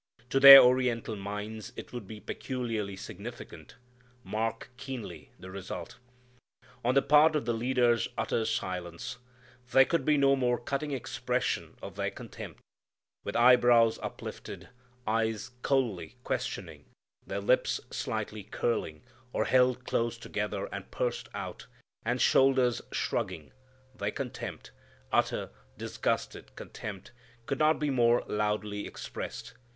To their Oriental minds it would be peculiarly significant, Mark keenly the result. On the part of the leaders utter silence There could be no more cutting expression of their contempt. With eyebrows uplifted, eyes coldly questioning, their lips slightly curling, or held close together and pursed out, and shoulders shrugging, their contempt, utter disgusted contempt, could not be more loudly expressed.